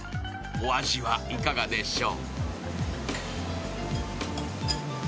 お味はいかがでしょう？